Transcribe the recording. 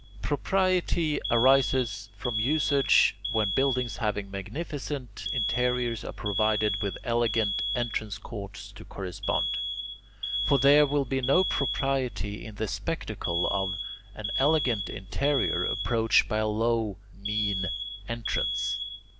Propriety arises from usage when buildings having magnificent interiors are provided with elegant entrance courts to correspond; for there will be no propriety in the spectacle of an elegant interior approached by a low, mean entrance.